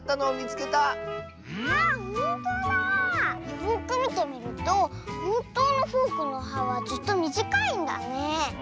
よくみてみるとほんとうのフォークの「は」はずっとみじかいんだねえ。